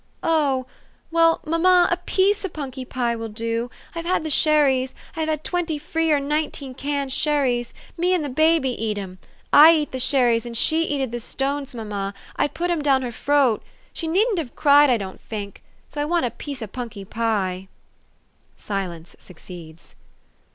u Oh! well, mamma, a piece o' punky pie will do. I've had the sherries. I've had twenty free or nineteen canned sherries. Me and the baby eat 'em. I eat the sherries, and she eated the stones, THE STOKY OF AVIS. 369 mamma. I put 'em down her froat. She needn't have cried, I don't fink. So I want a piece o' punky pie." Silence succeeds.